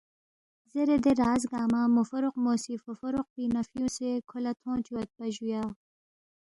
زیرے دے راز گنگمہ مو فوروقمو سی فو فوروق پِنگ نہ فیُونگسے کھو لہ تھون چُوگیدپا جُویا